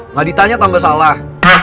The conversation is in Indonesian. nggak ditanya tambah salah